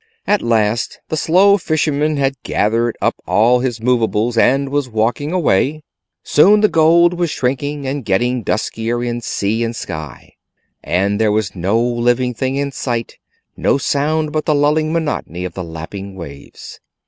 At last the slow fisherman had gathered up all his movables and was walking away. Soon the gold was shrinking and getting duskier in sea and sky, and there was no living thing in sight, no sound but the lulling monotony of the lapping waves.